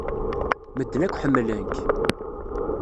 Medden akk ḥemmlen-k.